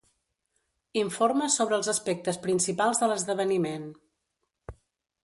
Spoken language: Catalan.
Informa sobre els aspectes principals de l'esdeveniment.